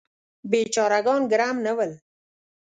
بیچاره ګان ګرم نه ول.